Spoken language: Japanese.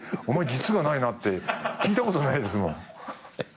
「お前実がないな」って聞いたことないですもん。